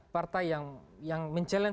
partai yang mencabar